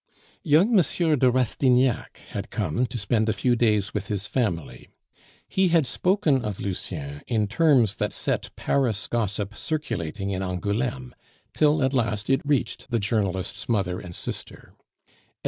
Young M. de Rastignac had come to spend a few days with his family. He had spoken of Lucien in terms that set Paris gossip circulating in Angouleme, till at last it reached the journalist's mother and sister.